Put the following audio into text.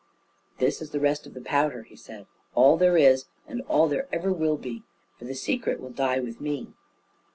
"This is the rest of the powder," he said, "all there is, and all there ever will be, for the secret will die with me."